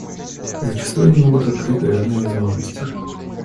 Зачастую они могут открыть реальные возможности.